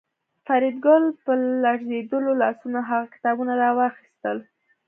فریدګل په لړزېدلو لاسونو هغه کتابونه راواخیستل